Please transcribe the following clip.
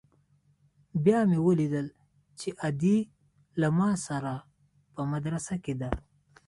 بيا مې وليدل چې ادې له ما سره په مدرسه کښې ده.